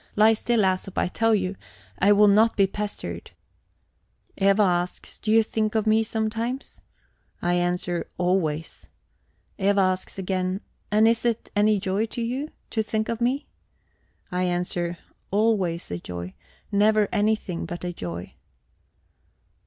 Lie still, Æsop, I tell you; I will not be pestered. Eva asks: 'Do you think of me sometimes?' I answer: 'Always.' Eva asks again: 'And is it any joy to you, to think of me?' I answer: 'Always a joy, never anything but a joy.'